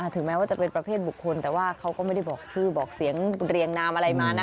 ถึงแม้ว่าจะเป็นประเภทบุคคลแต่ว่าเขาก็ไม่ได้บอกชื่อบอกเสียงเรียงนามอะไรมานะ